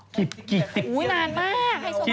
นานมากไฮโซ่บ้านนอก